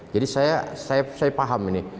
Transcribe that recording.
jadi saya paham ini